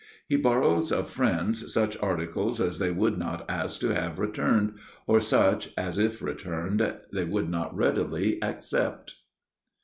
He borrows of friends such articles as they would not ask to have returned, or such as, if returned, they would not readily accept.